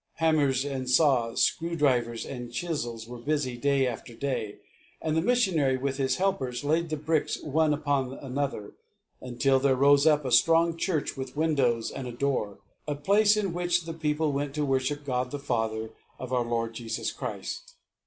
Hammers and saws, screw drivers and chisels were busy day after day, and the missionary and his helpers laid the bricks one upon another until there rose up a strong church with windows and a door a place in which the people went to worship God the Father of our Lord Jesus Christ.